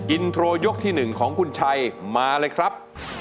อินโทรยกที่๑ของคุณชัยมาเลยครับ